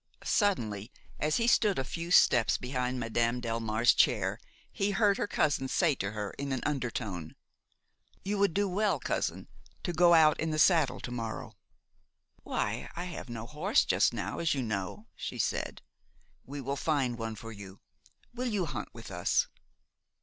Suddenly, as he stood a few steps behind Madame Delmare's chair, he heard her cousin say to her in an undertone: "You would do well, cousin, to go out in the saddle to morrow." "Why, I have no horse just now, as you know," she said. "We will find one for you. Will you hunt with us?"